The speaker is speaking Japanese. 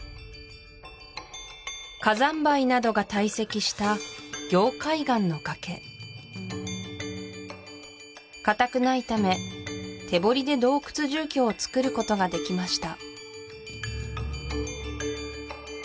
火山灰などが堆積した凝灰岩の崖硬くないため手掘りで洞窟住居を造ることができました